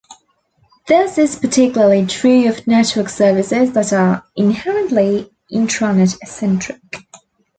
This is particularly true of network services that are inherently intranet-centric.